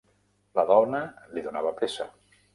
La dona li donava pressa.